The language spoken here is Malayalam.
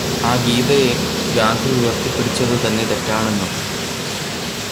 ആ ഗീതയെ ഗാന്ധി ഉയര്ത്തിപ്പിടിച്ചത് തന്നെ തെറ്റാണെന്നും.